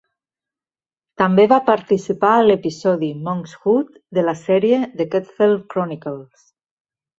També va participar a l'episodi "Monk's Hood" de la sèrie "The Cadfael Chronicles".